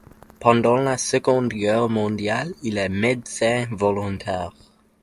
Pendant la Seconde Guerre mondiale, il est médecin volontaire.